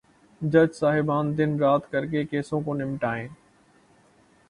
جج صاحبان دن رات کر کے کیسوں کو نمٹائیں۔